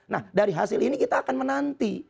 nah dari hasil ini kita akan menanti